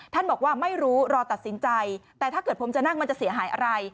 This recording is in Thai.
บอกว่าไม่รู้รอตัดสินใจแต่ถ้าเกิดผมจะนั่งมันจะเสียหายอะไร